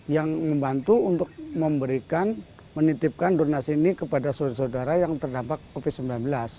yang membantu untuk memberikan menitipkan donasi ini kepada saudara saudara yang terdampak covid sembilan belas